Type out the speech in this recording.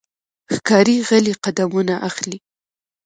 ښکاري غلی قدمونه اخلي.